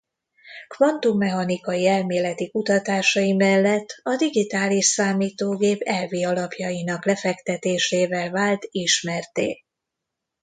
Kvantummechanikai elméleti kutatásai mellett a digitális számítógép elvi alapjainak lefektetésével vált ismertté.